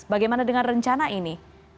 bagaimana dengan rencana ini